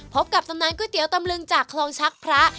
กับตำนานก๋วยเตี๋ยตำลึงจากคลองชักพระ